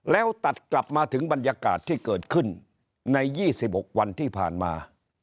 แล้วตัดกลับมาถึงบรรยากาศที่เกิดขึ้นใน๒๖วันที่ผ่านมา